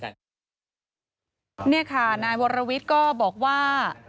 นี่ค่ะนายวรวิทย์ก็บอกว่า